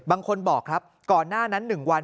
บางคนบอกครับก่อนหน้านั้น๑วัน